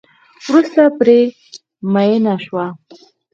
وروسته پرې میېنه شوه.